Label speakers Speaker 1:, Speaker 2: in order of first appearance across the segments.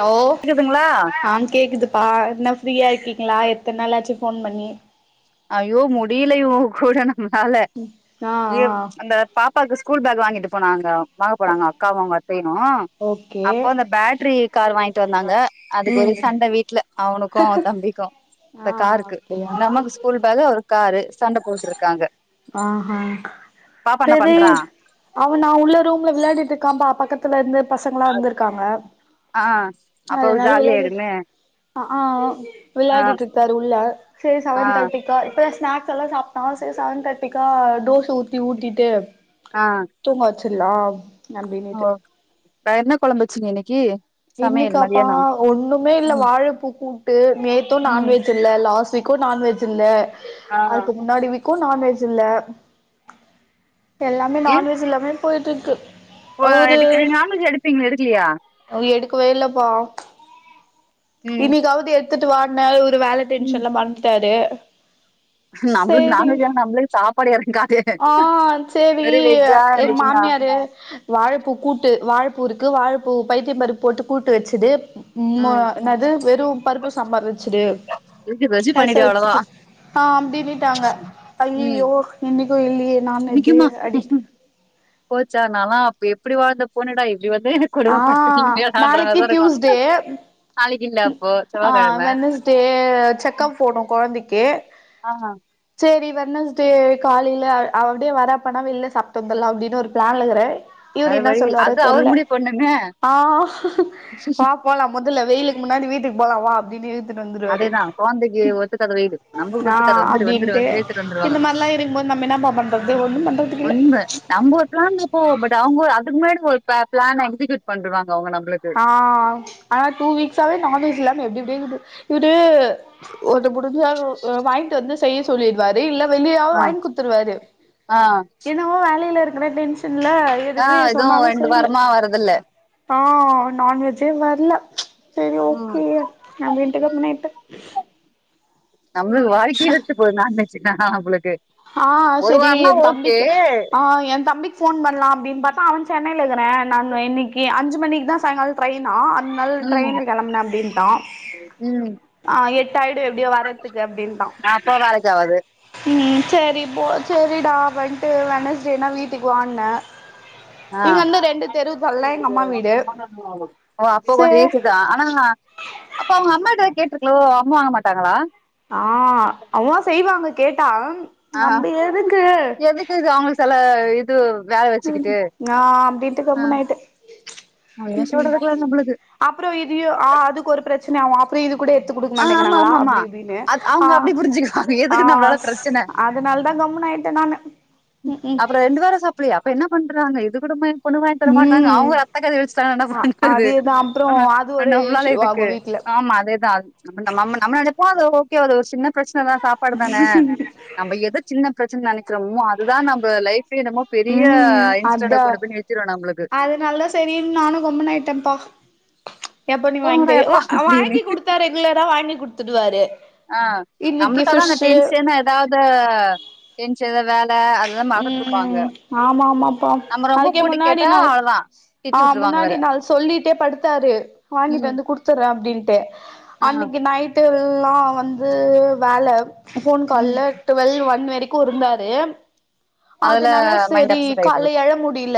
Speaker 1: Low
Speaker 2: க்குதுங்களா
Speaker 1: ஆ கேக்குதுப்பா என்னா ஃப்ரீயா இருக்கீங்களா எத்தன நாள் ஆச்சி ஃபோன் பண்ணி
Speaker 2: ஐயோ முடியலையோ இவக்கூட நம்மனால
Speaker 1: ஆ ஆ
Speaker 2: ஐயோ அந்த பாப்பாவுக்கு ஸ்கூல் பேக் வாங்கிட்டு போனாங்க வாங்க போனாங்க அக்காவு அவுங்க அத்தையு
Speaker 1: ஓகே
Speaker 2: அப்போ அந்த பேட்டரி கார் வாங்கிட்டு வந்தாங்க அதுக்கு ஒரே
Speaker 1: ம்
Speaker 2: சண்ட வீட்ல அவனுக்கு அவ தம்பிக்கு இந்த
Speaker 1: ஆ ஆ
Speaker 2: காருக்கு
Speaker 1: அப்டியா
Speaker 2: நமக்கு ஸ்கூல் பேக் ஒரு காரு சண்ட போடுட்டுயிருக்காங்க
Speaker 1: ஆஹா
Speaker 2: பாப்பா என்ன
Speaker 1: செரி
Speaker 2: பண்றா
Speaker 1: அவ நா உள்ள ரூம்ல விளையாடிட்டு இருக்காம்மா பக்கத்துல இருந்து பசங்களா வந்திருக்காங்க
Speaker 2: ஆ அப்ப அவ்ளுக்கு
Speaker 1: அதனால
Speaker 2: ஜாலி
Speaker 1: விளையாடிட்டு
Speaker 2: ஆயிடுமே
Speaker 1: ஆ ஆ
Speaker 2: ஆ
Speaker 1: விளையாடிட்டு இருக்காரு உள்ள செரி
Speaker 2: ஆ
Speaker 1: செவன் தேர்ட்டிக்கா இப்பதா ஸ்நாக்ஸ் எல்லா சாப் ஆ சேரி செவன் தேர்ட்டிக்கா தோச ஊத்தி ஊட்டிட்டு
Speaker 2: ஆ
Speaker 1: தூங்க வச்சிறலா
Speaker 2: ஓ வேற என்ன குழம்பு வச்சிங்க இன்னைக்கி
Speaker 1: இன்னிக்காப்பா ஒண்ணுமே இல்ல
Speaker 2: ம்
Speaker 1: வாழப்பூ கூட்டு நேத்தும்
Speaker 2: ம்
Speaker 1: நான்வெஜ் இல்ல லாஸ்ட் வீக்கும் நான்வெஜ் இல்ல
Speaker 2: ஆ
Speaker 1: அதுக்கு முன்னாடி வீக் க்கு நான்வெஜ் இல்ல எல்லாமே நான்வெஜ் இல்லாமே போயிட்டு இருக்கு
Speaker 2: ஓ
Speaker 1: அவரு
Speaker 2: எடுக்கறீங் நான்வெஜ் எடுப்பீங்களே எடுக்கலையா
Speaker 1: ஒ எடுக்கவே இல்லப்பா
Speaker 2: ம்
Speaker 1: இன்னைக்காவது எடுத்துட்டு வான்னே இவரு வேல
Speaker 2: ம்
Speaker 1: டென்ஷன்ல மறந்துட்டாரு
Speaker 2: நம்மளுக்கு
Speaker 1: சேரி
Speaker 2: நான்வெஜ் ஆனா நம்மளுக்கு சாப்பாடு எறங்காது
Speaker 1: ஆ சேரி
Speaker 2: வெறு வெஜ்ஜா
Speaker 1: எங்க
Speaker 2: இருந்துச்சுன்னா
Speaker 1: மாமியா இது வாழப்பூ கூட்டு வாழ்பூ இருக்கு வாழப்பூ பைத்தப் பருப்பு போட்டு கூட்டு வச்சது ம்மா
Speaker 2: ம்
Speaker 1: என்னது வெறு பருப்பு சாம்பாரு வச்சிடு
Speaker 2: இருக்கு வெஜ்ஜு பண்ணிடு
Speaker 1: ராசம்
Speaker 2: அவ்ளோதா
Speaker 1: வச்சிட்டு ஆ அப்டின்னுட்டாங்க
Speaker 2: ம்
Speaker 1: அய்யயோ இன்னைக்கு இல்லையே நான்வெஜ்ஜு
Speaker 2: இன்னைக்குமா
Speaker 1: அடி
Speaker 2: போச்சா நானல்லா அப் எப்டி வாழ்ந்த பொண்ணுடா இப்டி வந்து
Speaker 1: ஆ
Speaker 2: கொடும படுத்துறீங்களேடான்ற
Speaker 1: நாளைக்கு
Speaker 2: மாரிதா இருக்கு
Speaker 1: டியூஸ்டே
Speaker 2: நாளைக்கு இல்ல அப்போ செவ்வாக்கிழம
Speaker 1: செ செக்கம் போனு குழந்தைக்கி
Speaker 2: ஆமா
Speaker 1: சேரி வெட்னஸ் டே காலையில அ அப்டியே வராப்பனா வெளில சாப்பட்டு வந்துடலா அப்டின்னு ஒரு பிளான்லே இருக்கறே
Speaker 2: வேற
Speaker 1: இவரு என்ன
Speaker 2: வழி இல்ல
Speaker 1: சொல்வாரு
Speaker 2: அது அவர்
Speaker 1: தெர்ல
Speaker 2: முடிவு பண்ணுங்க
Speaker 1: ஆ பா போலா மொதல்ல வெயிலுக்கு முன்னாடி வீட்டுக்கு போல வா அப்டின்னு இழு
Speaker 2: அதேதா குழந்தைக்கு ஒத்துக்காது வெயிலு நம்மளுக்கு
Speaker 1: ஆ
Speaker 2: ஒத்துக்காது வந்துரு வந்துரு
Speaker 1: அப்டின்ட்டு
Speaker 2: இழுத்துட்டு வந்
Speaker 1: இந்த மாரில இருக்ம்போது நம்ம என்னப்பா பண்றது ஒண்ணும் பண்றதுக்கில்ல
Speaker 2: உண்ம நம்ம ஒரு பிளான்ல இருப்போ பட் அவுங்க அதுக்கு முன்னாடி ஒரு பிள பிளா எக்ஸிக்யூட் பண்ணுவாங்க அவுங்க நம்மளுக்கு
Speaker 1: ஆ ஆனா டூ வீக்ஸாவே நான்வெஜ் இல்லாம எப்டி எப்டியோ இக்குது இவரு ஒன்னு முடிஞ்சலு வாங்கிட்டு வந்து செய்ய சொல்லிடுவாரு இல்ல வெளியிலியாவ
Speaker 2: ஆ
Speaker 1: வாங்கி குடுத்துருவாரு
Speaker 2: ஆ
Speaker 1: என்னமோ வேலையில இருக்கற டென்ஷ ன்ல
Speaker 2: ஆ
Speaker 1: எதுமே
Speaker 2: எதுவு
Speaker 1: சொன்னாலு
Speaker 2: ரெண்டு
Speaker 1: செய்ல
Speaker 2: வாரமா வரதில்ல
Speaker 1: ஆ நான்வெஜ்ஜே வர்ல
Speaker 2: ம்
Speaker 1: ஆயிட்டே
Speaker 2: நம்மளுக்கு வாழ்க்கையே வெறுத்து போது நான்வெஜ்ன நம்மளுக்கு
Speaker 1: ஆ
Speaker 2: ஒரு
Speaker 1: செரி
Speaker 2: வாரம்னா
Speaker 1: என்
Speaker 2: ஓகே
Speaker 1: தம்பிக்கு ஆ என் தம்பிக்கு ஃபோன் பண் ணல அப்பிடின் பாத்தா அவன் சென்னைல இருக்குறே நான்னு இன்னக்கி அஞ்சு மணிக்கு தா சாயங்கால ட்ரெயினா நள்
Speaker 2: ம்
Speaker 1: ட்ரெயின்ல கெளம்பன அப்டின்ட்டா
Speaker 2: ம்
Speaker 1: ஆ எட்டாயிடு எப்டியு வர்றத்துக்கு அப்டின்ட்டா
Speaker 2: அப்போ வேலைக்கு ஆவாது
Speaker 1: ம் செரி போ செரிடா வந்துட்டு வெனஸ்டேனா வீட்டுக்கு வான்னே
Speaker 2: ஆ
Speaker 1: இங்க வந்து ரெண்டு தெரு தள்ளா எங்க அம்மா வீடு
Speaker 2: ஓ அப்போ
Speaker 1: சே
Speaker 2: கொஞ்ச ஈசி தா ம் ஆனா அப்ப அவுங்க அம்மாட்ட கேட்ருக்கலோ அவுங்க வாங்கமாட்டாகளா
Speaker 1: ஆ அம்மா செய்வாங்க கேட்டா
Speaker 2: ஆ
Speaker 1: நம்ப எதுக்கு
Speaker 2: எதுக்கு இது அவங்களுக்கு செல இது வேல வச்சுக்கிட்டு
Speaker 1: நா அப்டின்ட்டு
Speaker 2: அ
Speaker 1: கம்முனு ஆயிட்டே
Speaker 2: ஒண்ணு சொல்றதுகில்ல நம்பளுக்கு
Speaker 1: அப்புற இதயு ஆ அதுக்கு ஒரு பிரச் சனை ஆகு அப்றோ இது கூட எடுத்துக்குடுக்க
Speaker 2: ஆ ஆமா
Speaker 1: மாட்டேங்கிறாங்களா
Speaker 2: ஆமா ஆமா
Speaker 1: அப்பிடி இப்பிடின்னு
Speaker 2: அது
Speaker 1: அ
Speaker 2: அவங்க அப்டி புரிஞ்சுக்குவாங்க
Speaker 1: ஆ
Speaker 2: எதுக்கு நம்மளால பிரச்சன
Speaker 1: அதனால தா கம்முன்னு ஆயிட்டே நானு ம் ம்
Speaker 2: அப்பற ரெண்டு பேரு சாப்புட்லயா அப்ப என்ன பண்றாங்க இது கூட மா பொண்ணு வாங்கித் தர மாட்டாங்க
Speaker 1: ம்
Speaker 2: அவுங்க அத்தகாரிய வச்சுட்டாங்கன்னா பண்றது
Speaker 1: அதேதா அப்றோ
Speaker 2: அங்க
Speaker 1: அது ஒரு
Speaker 2: நம்மளால
Speaker 1: இஷ்யூ ஆகு
Speaker 2: எதுக்கு
Speaker 1: வீட்ல
Speaker 2: ஆமா அதே தா நம்ம நம்ம நம்ம நெனைப்போ அது ஓகே அது ஒரு சின்ன பிரச்சன தா சாப்பாடுதானே நம்ம எது சின்ன பிரச்சனன்னு நெனைக்கிறோமோ அதுதா நம்ப லைஃபே என்னமோ பெரிய
Speaker 1: ம்
Speaker 2: இன்ஸ்ட்ண்ட்ட கொண்டுபோய் நிறுத்திரு நம்பளுக்கு
Speaker 1: நால செரி நானு கம்முன்னு ஆயிட்டேன்ப்பா எப்ப நீ வாங்கித்
Speaker 2: போங்கடா
Speaker 1: தரியோ ஒ
Speaker 2: எப்பா
Speaker 1: வ
Speaker 2: அப்படின்னு
Speaker 1: வாங்கி குடுத்தாரு குலரா வாங்கிக் குடுத்துடுவாரு
Speaker 2: ஆ
Speaker 1: இன்னைக்கு
Speaker 2: நம்பளுக்கு அதான அந்த
Speaker 1: ஃபிஷ்ஷு
Speaker 2: டென்ஷனு ஏதாவது டென்ஷ எத வேல அதல மறந்ட்டுருப்பாங்க
Speaker 1: ம் ஆமா ஆமாப்பா
Speaker 2: நம்ப ரொம்ப
Speaker 1: அதுக்கே
Speaker 2: போட்டி
Speaker 1: முன்னாடி
Speaker 2: கேட்டா
Speaker 1: நாள்
Speaker 2: அவ்ள தா
Speaker 1: ஆ முன்னாடி நாள் சொல்லிட்டே படுத்தாரு வாங்கிட்டு
Speaker 2: உம்
Speaker 1: வந்து குடுத் வச்சிற அப்டின்ட்டு
Speaker 2: ஆஹ்
Speaker 1: அன்னிக்கி நைட்டுல்லா வந்து வேல போன்
Speaker 2: உம்
Speaker 1: கால்ல டுவெல் ஒன் வரைக்கோ இருந்தாரு
Speaker 2: அதுல
Speaker 1: அதுனால
Speaker 2: மைண்ட்
Speaker 1: செரி
Speaker 2: அப்செட் ஆயிட்டு
Speaker 1: கால்ல
Speaker 2: இருக்கும்
Speaker 1: எழ முடில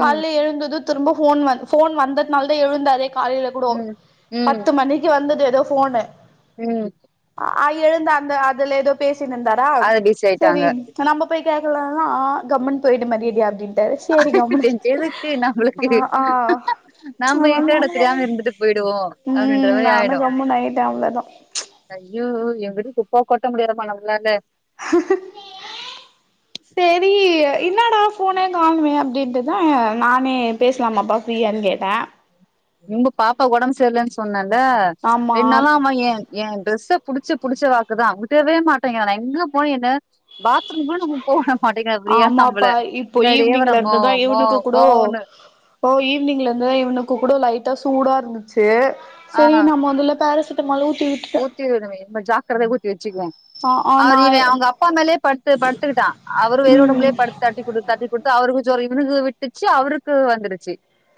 Speaker 2: ம்
Speaker 1: கால்ல எழுந்ததோ திரும்ப போன் வந் போன் வந்ததுனால்தே எழுந்தாரே காலையில கூடோ
Speaker 2: ம் ம்
Speaker 1: பத்து மணிக் கு வந்தது ஏதோ போனு
Speaker 2: ம்
Speaker 1: அ எழுந்து அந்த அதுல ஏதோ பேசினுந்தாரா
Speaker 2: அது பிஸி
Speaker 1: செரி
Speaker 2: ஆயிட்டாங்க
Speaker 1: நம்ப போய் கேக்கலான்னா கம்முன்னு போயிடு மரியாதையா அப்டின்னு செரி கம்முன்னு
Speaker 2: எதுக்கு
Speaker 1: ஆயிட்
Speaker 2: நம்மளுக்கு
Speaker 1: அ ஆ அதா
Speaker 2: நாம
Speaker 1: நானு
Speaker 2: இருக்கிற எடத்
Speaker 1: கம்முன்னு
Speaker 2: தெரியாம இருந்துட்டு போயிடுவோம் அப்டின்ற
Speaker 1: ம்
Speaker 2: மாரி
Speaker 1: நானு
Speaker 2: ஆயிடும்
Speaker 1: கம்முன்னு ஆயிட்டே அவ்ளதா
Speaker 2: ஐயோ இவங்கிட குப்ப கொட்ட முடியாதும்மா நம்ளால
Speaker 1: செரி என்னடா ஃபோனே காணுமே அப்டின்ட்டு தா நானே பேசலாமாப்பா ஃப்ரீயான்னு கேட்ட
Speaker 2: இவங்க பாப்பாக்கு ஒடம்பு சரியிலன்னு சொன்னேல்ல
Speaker 1: ஆமா
Speaker 2: ரெண்டு நாளா அவ ஏன் எ டிரெஸ்ஸ புடிச்சு புடிச்சு பாக்குதா விடவே மாட்டேங்கிறா நா எங்க போய் எட பாத்ரூம்க்கு கூட நா போவுட மாட்டேங்கிறா ப்ரீயா நம்மள
Speaker 1: ஆமாப்பா இப்போ
Speaker 2: பின்னாடியே வரா
Speaker 1: ஈவினிங்ல
Speaker 2: மா
Speaker 1: இருந்துதா
Speaker 2: மா
Speaker 1: இவனுக்கு கூடோ
Speaker 2: மான்னு
Speaker 1: ஓ ஈவினிங்லந்து இவனுக்கு கூட லைட்டா சூடா இருந்துச்சு
Speaker 2: ஆ
Speaker 1: செரி நம்ம வந்துல பேரசிட் மலு ஊட்டி
Speaker 2: ஊத்தி விடுவே பட் ஜாக்கரதையா ஊத்தி வச்சுக்குவோ
Speaker 1: ஆ ஆ நா
Speaker 2: அவரு இவ அவுங்க அப்பா மேலே பத்து பத்துக்கிட்டா அவரு வெறு
Speaker 1: ம்
Speaker 2: ஒடம்புலேயே பத்து தட்டி குடுத் து அவருக்கு ஜொரொ இவனுக்கு விட்டுச்சு அவருக்கு வந்துடுச்சு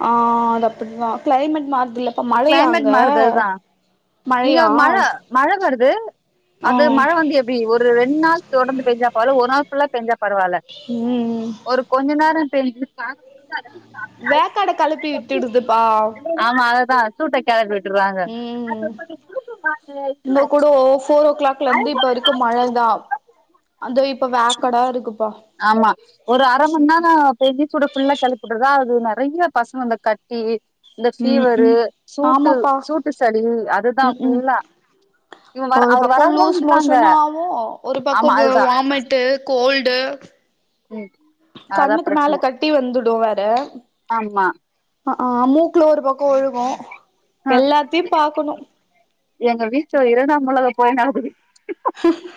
Speaker 1: ஆ அது அப்டிதா கிளைமேட் மாறுதில்லப்பா! மழையா
Speaker 2: கிளைமேட்
Speaker 1: அங்க?
Speaker 2: மாறுதல்தான் இங்க
Speaker 1: மழையா
Speaker 2: மழ.. மழ வருது,
Speaker 1: ஆ
Speaker 2: அது மழ வந்து.. எப் இப்டி ஒரு ரெண் நாள் தொடந்து பெஞ்சா பர.. ஒருநாள் புல்லா பெஞ்சா பரவாயில்ல..
Speaker 1: ம்
Speaker 2: ஒரு.. கொஞ்ச நேரோ பெய்ஞ்சிருக்கா
Speaker 1: வேக்காடு கெளப்பி விட்டுடுதுப்பா!
Speaker 2: ஆமா அததா சூட்ட கெளப்பி விட்டறாங்க.
Speaker 1: உங்க கோட ஓ போர் ஓ க்ளாக்லந்து இப்ப இருக்... கு மழதா! அந்த இப்போ வேக்கடா இருக்குப்பா!
Speaker 2: ஆமா! ஒரு அரமண் நேரோ... நெஞ்சு சூடு புல்லா கெளிப்புட்டுறதா அது நெறையா பசங்க அந்த கட்டி.. இந்த
Speaker 1: ம்
Speaker 2: பீவரு,
Speaker 1: ம்
Speaker 2: சூட்டு..
Speaker 1: ஆமாப்பா
Speaker 2: சூட்டு சளி அதுதா
Speaker 1: ம் ம்
Speaker 2: புல்லா!
Speaker 1: ஒரு பக்கோ லூஸ் மோஷனு ஆவு, ஒரு பக்கோ
Speaker 2: ஆமா அதுதா
Speaker 1: வாமிட்.. டு, கோல்டு...
Speaker 2: ம் அதா
Speaker 1: கண்ணுக்கு மேல
Speaker 2: பிரச்சன
Speaker 1: கட்டி வந்துடு வேற!
Speaker 2: ஆமா
Speaker 1: ஆ ஆ... மூக்குல ஒரு பக்கோ ஒழுகோ!
Speaker 2: அ
Speaker 1: எல்லாத்தையு பாக்கணு!
Speaker 2: எங்க வீட்ல இரண்டாம் உலக போ பயனோ இருக்
Speaker 1: [inaudible]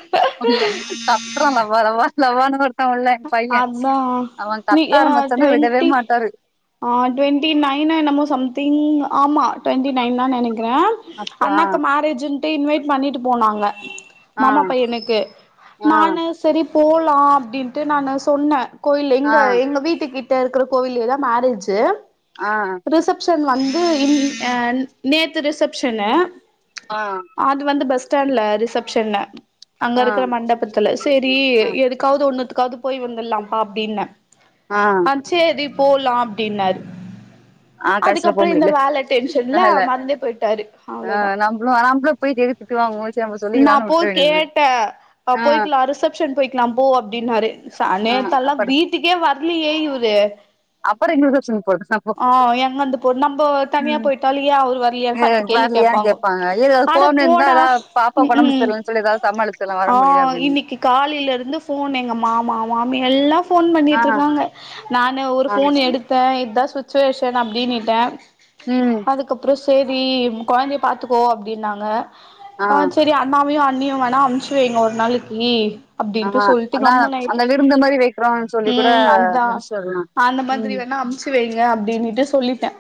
Speaker 2: இல்ல கத்தறா லவா லவா லவானு அவ இல்ல பைய..
Speaker 1: அதா
Speaker 2: அவ
Speaker 1: நீ
Speaker 2: கத்த
Speaker 1: ஆ
Speaker 2: ஆரம்பிச்சன்னா விடவே
Speaker 1: டுவெண்ட்டி
Speaker 2: மாட்டாரு!
Speaker 1: ஆ.. ட்வெண்ட்டி நைனோ என்னமோ சம்திங்.. ஆமா! ட்வெண்ட்டி நைன் தா நெனைக்கறே
Speaker 2: அப்பா
Speaker 1: அண்ணாக்கு மேரேஜ்ன்ட்டு இன்வைட் பண்ணிட்டு போனாங்க!
Speaker 2: ஆ
Speaker 1: மாமா பையனுக்கு
Speaker 2: ஆ
Speaker 1: நானு... சரி போலா அப்டின்ட்டு நானு சொன்ன! கோயிலு
Speaker 2: ஆ
Speaker 1: இங்க எங்க வீட்டுக்கிட்... ட இருக்கற கோவில்லேதா மேரேஜ்ஜு..
Speaker 2: ஆ..
Speaker 1: ரிசப்ஷன் வந்து.. இன் ஏ.. நேத்து ரிசப்ஷனு..
Speaker 2: ஆ
Speaker 1: அது வந்து பஸ் ஸ்டாண்ட்ல ரிசப்ஷனு அங்க
Speaker 2: ஆ
Speaker 1: இருக்குற மண்டபத்துல சேரி
Speaker 2: ஆ
Speaker 1: எதுக்காவ்து ஒன்னத்துக்காவ்து போயி வந்துட்லாம்ப்பா அப்டின்னே
Speaker 2: ஆ
Speaker 1: ஆ சேரி போலா அப்டின்னாரு
Speaker 2: ஆ கடைசில போ
Speaker 1: அதுக்கப்ற இந்த
Speaker 2: முடியல
Speaker 1: வேல டென்ஷன்ல
Speaker 2: வேல
Speaker 1: மறந்தே போயிட்டாரு
Speaker 2: ஆ
Speaker 1: அவ்ளோதா
Speaker 2: நம்பளு நம்பளு போயிட்டு எதுக்கு திட்டு வாங்குவோ சரி நம்ம
Speaker 1: நா
Speaker 2: சொல்லிக்கலான்னு
Speaker 1: அப்பவு
Speaker 2: விட்ற வேண்டியது
Speaker 1: கேட்டே அ
Speaker 2: ஆ
Speaker 1: போய்க்கலா ரிசப்ஷன் போய்க்கலா போ அப்டின்னாரு ச
Speaker 2: ஆ
Speaker 1: நேத்தெல்லா
Speaker 2: அப்பற
Speaker 1: வீட்டுக்கே வர்லையே இவரு
Speaker 2: அப்பறோ இன்னொரு ரிப்ஷனுக்கு போயிட்டு சா
Speaker 1: ஆ.. எங்கந்து போத் நம்போ தனியா போயிட்டாலு ஏ அவரு வரலயான்னு பத்து கேள்வி கேப்பாங்கோ
Speaker 2: பாங்க இதுவே
Speaker 1: அட
Speaker 2: போன் இந்தா
Speaker 1: போடா
Speaker 2: ஏதாவ
Speaker 1: ம்
Speaker 2: பாப்பாக்கு ஒடம்பு சேரியில்ல சொல்லி ஏதாவ சமாளிச்சுருலா வர முடியல அப்டின்னு
Speaker 1: இன்னிக்கு காலிலருந்து போன் எங்க மாமா, மாமி எல்லா.. ஃபோன்
Speaker 2: ஆ
Speaker 1: பண்ணிட்ருக்காங்க நானு ஒரு
Speaker 2: ஆ
Speaker 1: ஃபோன் எடுத்தே இதா சுச்சுவேஷன் அப்டின்னுட்டே
Speaker 2: ம்
Speaker 1: அதுக்கப்றோ சேரி கொழந்தைய பாத்துக்கோ அப்டின்னாங்க ஆ சேரி அண் ணாவையு அண்ணியு வேணா அமுச்சு வைங்க ஒரு நாளைக்கி அப்டின்ட்டு
Speaker 2: ஆ
Speaker 1: சொல்ட்டு
Speaker 2: அதா
Speaker 1: கம்முனு
Speaker 2: அந்த
Speaker 1: ஆய்ட்டே
Speaker 2: விருந்து மாரி வைக்கிறோம்னு சொல்லி கூட
Speaker 1: ம் அதுதா
Speaker 2: முடிச்சிடலா
Speaker 1: அந்த மாதிரி
Speaker 2: ம்
Speaker 1: வேணா அம்ச்சு சு வைங்க அப்டின்னுட்டு சொல்லிட்டே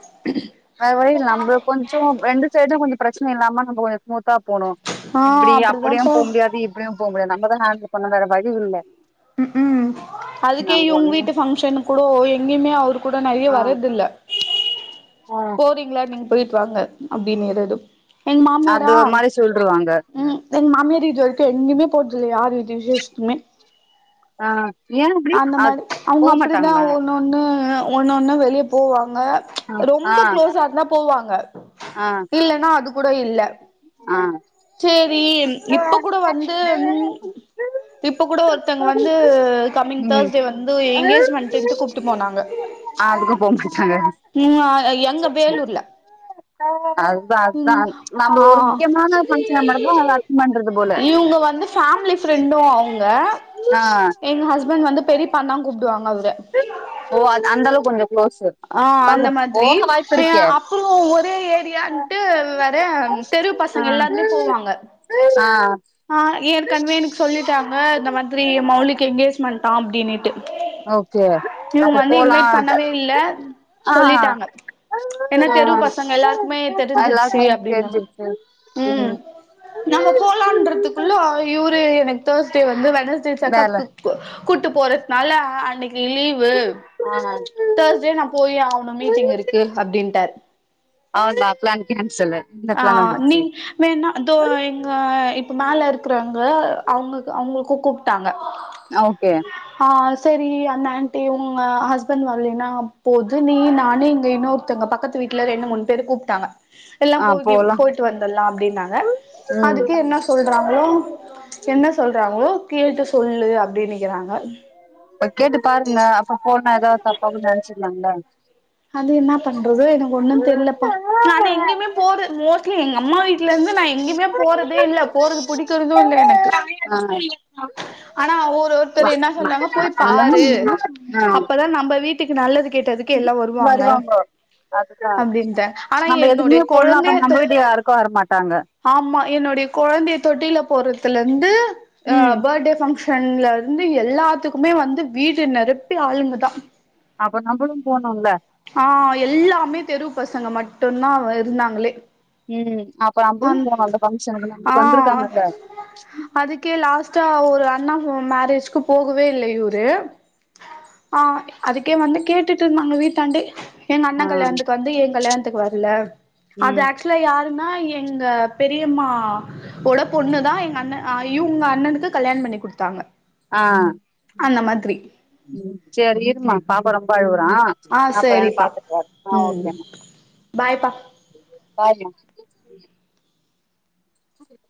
Speaker 2: அது வரைல நம்ப கொஞ்சோ ரெண்டு சைடு கொஞ்ச பிரச்சன இல்லாம நம்ப ஒரு ஸ்மூத்தாப் போணு
Speaker 1: ஆ
Speaker 2: இப்டி அப்டியு
Speaker 1: அப்டிதான்ப்பா
Speaker 2: போ முடியாது இப்டியு போ முடியாது நம்மதா ஹேண்டில் பண்ணனு வேற வழி இல்ல
Speaker 1: ம் ம் அதுக்கே
Speaker 2: நம்ம
Speaker 1: இவ்ங்க
Speaker 2: ஒண்ணு
Speaker 1: வீட்டு ஃபங்க்ஷனுக்கூடோ எங்கயுமே அவரு கூட நெறைய
Speaker 2: ஆ
Speaker 1: வர்றதில்ல
Speaker 2: ஆ
Speaker 1: போறீங்ளா நீங்க போயிட்டு வாங்க அப்டின்கிறது எங்
Speaker 2: அது
Speaker 1: மாமியாரா
Speaker 2: ஒரு மாரி சொல்ருவாங்க
Speaker 1: ம் எங் மாமியார் இது வரைக்கு எங்கையுமே போச்சுல்ல யாரு வீட் விசேஷ்த்துமே
Speaker 2: ஆ ஏன் இப்டி
Speaker 1: அந்த
Speaker 2: அ
Speaker 1: மாரி அவுங்க அப்டிதா
Speaker 2: போமாட்டாங்களா
Speaker 1: ஒன் னொன்னு ஒன்னொன்னு வெளிய போவாங்க
Speaker 2: ஆ
Speaker 1: ரொம்ப க்ளோஸா இருந்தா போவாங்க
Speaker 2: ஆ
Speaker 1: இல்லனா அது கூட இல்ல
Speaker 2: ஆ
Speaker 1: சேரிம் இப்ப கூட வந்து ம் இப்ப கூட ஒருத்தங்க வந்து கம்மிங்
Speaker 2: ம்
Speaker 1: தேர்ஸ்டே வந்து எங்கேஜ்மெண்ட்டுன்ட்டு கூப்டு போனாங்க
Speaker 2: ஆ அதுக்கு போ மாட்டாங்க அப்டி
Speaker 1: ம் ஆ எங்க வேலூர்ல
Speaker 2: அதுதா அதுதா
Speaker 1: ம்
Speaker 2: நம்ப
Speaker 1: ஆ
Speaker 2: ஒரு முக்கியமான ஃபங்க்ஷன நடத்துவோ அவுங்க அதுக்கு பண்றது போல
Speaker 1: ஃபேம்லி ஃப்ரெண்டு அவுங்க
Speaker 2: ஆ
Speaker 1: எங்க ஹஸ்பண்ட் வந்து பெரியப்பான் தா கூப்புடுவாங்க அவர
Speaker 2: ஓ அது அந்தளவுக்கு கொஞ்ச
Speaker 1: ஆ அந்த
Speaker 2: க்ளோஸ்
Speaker 1: மாதிரி
Speaker 2: போக வாய்ப்பு
Speaker 1: ஏ
Speaker 2: இருக்கே
Speaker 1: அப்புறோ ஒரே ஏரியான்ட்டு வேற தெரு பசங்க எல்லாருமே போவாங்க
Speaker 2: ஆ ஆ
Speaker 1: ஆ ஏற்கன்வே எனக்கு சொல்லிட்டாங்க இந்த மாதிரி எ மவ்லுக்கு எங்கேஜ்மெண்ட்டா அப்டினுட்டு
Speaker 2: ஓகே அப்ப போலா
Speaker 1: இன்வைட் பண்ணவே இல்ல
Speaker 2: ஆ
Speaker 1: சொல்லிட்டாங்க
Speaker 2: ஆ
Speaker 1: ஏன்னா தெரு பசங்க எல்லாருக்குமே தெரிஞ்சிருச்சு
Speaker 2: எல்லாருக்குமே தெரிஞ்சிருக்கு ம்
Speaker 1: நம்ம போலான்றத்துக்குள்ள இவ்ரு எனக்கு தேர்ஸ்டே வந்து வெனஸ்டே
Speaker 2: வேல
Speaker 1: செக்கப்க்கு கு கூட்டு போறத்னால அன்னைக்கு லீவ் வு
Speaker 2: ஆ
Speaker 1: தேர்ஸ்டே நா போயே ஆவணு மீட்டிங் இருக்கு அப்டின்ட்டாரு
Speaker 2: ஆல் [unintelligible] சொல்லு
Speaker 1: ஆ நீ வேண்ணா இதோ எங்க இப்போ மேலே இருக்குறவங்க அவுங்கக்கு அவுங்ளுக்கு கூப்டாங்க
Speaker 2: ஆ ஓக்கே
Speaker 1: ஆ செரி அந்த ஆண்டி உங்க ஹஸ்பண்ட் வல்லனா போது நீ நானு இங்க இன்னொ த்தங்க பக்கத்து வீட்ல ரெண்டு மூன் பேரு கூப்டாங்க எல்லாம்
Speaker 2: ஆ
Speaker 1: போகி
Speaker 2: போலா
Speaker 1: போயிட்டு வந்துர்லா அப்டின்னாங்க
Speaker 2: ம்
Speaker 1: அதுக்கு என்ன சொல்றாங்ளோ என்ன சொல்றாங்ளோ கேட்டு சொல்லு அப்டி நிக்றாங்க
Speaker 2: ஒ கேட்டு பாருங்க அப்ப போனா எதா தப்பா கீது நெனச்சிருலால
Speaker 1: அது என்னா பண்றது எனக்கு ஒன்னு தெர்லப்பா நானே எங்கேயுமே போற மோஸ்ட்லி எங்க அம்மா வீட்ல இருந்து நா எங்கயுமே போறதே இல்ல போறது புடிக் க்குறது இல்ல எனக்கு
Speaker 2: ஆ
Speaker 1: ஆனா ஒரு ஒருத்தரு என்னா சொன்னாங்க போய் பாரு அப்ப அப்ப தா நம்ப வீட்டுக்கு நல்லது கெட்டத்துக்கு எல்லா வரு
Speaker 2: வருவாங்க அதுதா
Speaker 1: ஆனா
Speaker 2: நம்ப
Speaker 1: என்னுடைய
Speaker 2: எதுக்குமே போல்னா அப்ப நம்ப வீட்டு யாருக்கு வரமாட்டாங்க
Speaker 1: ஆம்மா என்னுடைய கொழந்தைய தொட்டில போட்றத்துலந்து ஆ
Speaker 2: ம்
Speaker 1: பட்டே பங்ஷ சன்லருந்து எல்லாத்துக்குமே வந்து வீடு நெறப்பி ஆளுங்கதா
Speaker 2: அப்ப நம்பளு. போனுல்ல
Speaker 1: ஆ எல்லாமே தெரு பசங்க மட்டுந்தா வ இருந்தாங்களே
Speaker 2: ம் அப்பற நம்பும்
Speaker 1: அந்
Speaker 2: போனோனு அந்த பங்க்ஷனுக்கு நம்ளுக்கு வந்துருக்காங்கள்ல
Speaker 1: க்கே லாஸ்ட்டா ஒரு அண்ணாவு மேரேஜ்க்கு போகவே இல்லை இவ்ரு ஆ அதுக்கே வந்து கேட்டுட்டு இருந்தாங்க வீட்டாண்டே எங்க அண்ண
Speaker 2: ஆ
Speaker 1: கல்யாண்த்துக்கு வந்து எங் கல்யாணத்துக்கு வரல அது
Speaker 2: ம்
Speaker 1: ஆக்ஸ் ட்ல யாருன்னா எங்க பெரியம்மா ஒட பொண்ணு தா எங்க அண்ண ஆ இவுங்க அண்ணனுக்கு கல்யாணம் பண்ணிக்குடுத்தாங்க
Speaker 2: ஆ ம் சேரு இருமா பாப்பா ரொம்ப அழுவுறா
Speaker 1: ஆ
Speaker 2: நா பையன
Speaker 1: சேரிப்பா
Speaker 2: பாத்துட்வரே ஆ
Speaker 1: ம்
Speaker 2: ஓகேம்மா
Speaker 1: பாய்ப்பா
Speaker 2: பாய் மா ஆ சரி